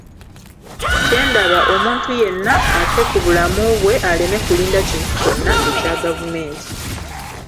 Kyendaba omuntu yenna affe ku bulamu bwe aleme kulinda kintu kyonna ekya gavumenti.